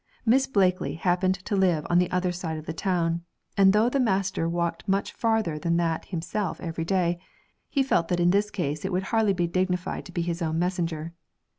Miss Blakely happened to live on the other side of the town, and though the master walked much farther than that himself every day, he felt that in this case it would hardly be dignified to be his own messenger.